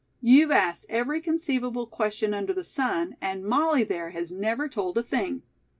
You've asked every conceivable question under the sun, and Molly there has never told a thing.